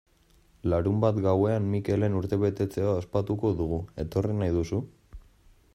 Larunbat gauean Mikelen urtebetetzea ospatuko dugu, etorri nahi duzu?